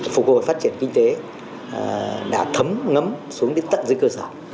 phục hồi phát triển kinh tế đã thấm ngấm xuống đến tận dưới cơ sở